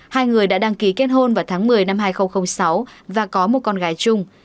hai người đã đăng ký kết hôn vào tháng một mươi năm hai nghìn sáu và có một con gái chung